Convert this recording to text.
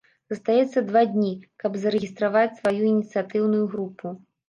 Застаецца два дні, каб зарэгістраваць сваю ініцыятыўную групу.